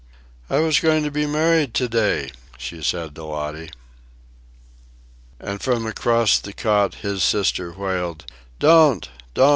"I was going to be married to day," she said to Lottie. And from across the cot his sister wailed, "Don't, don't!"